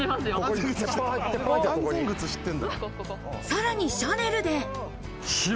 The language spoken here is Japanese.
さらにシャネルで。